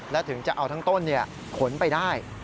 และถึงจะเอาทั้งต้นขนไปได้